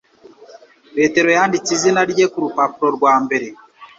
Petero yanditse izina rye kurupapuro rwa mbere